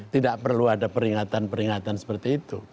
tidak perlu ada peringatan peringatan seperti itu